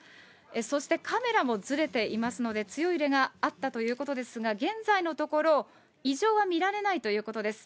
そしてカメラもずれていますので、強い揺れがあったということですが、現在のところ、異常は見られないということです。